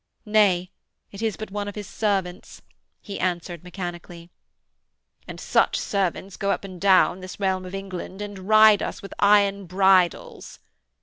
'Nay, it is but one of his servants,' he answered mechanically. 'And such servants go up and down this realm of England and ride us with iron bridles.'